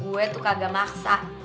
gue tuh kagak maksa